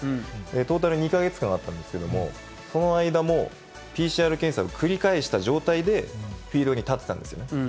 トータル２か月間あったんですけれども、その間もＰＣＲ検査を繰り返した状態で、フィールドに立ってたんですよね。